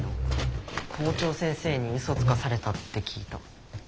校長先生にうそつかされたって聞いた。